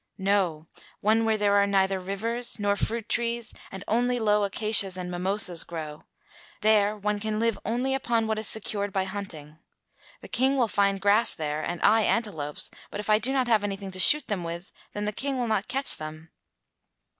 "No; one where there are neither rivers, nor fruit trees, and only low acacias and mimosas grow. There one can live only upon what is secured by hunting. The King will find grass there and I antelopes, but if I do not have anything to shoot them with, then the King will not catch them."